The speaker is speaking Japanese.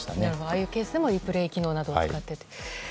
ああいうケースでもリプレイ機能を使ってと。